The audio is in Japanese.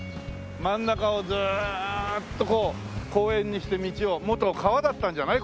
真ん中をずーっとこう公園にして道を元川だったんじゃない？